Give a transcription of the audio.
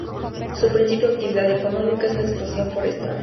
Su principal actividad económica es la explotación forestal.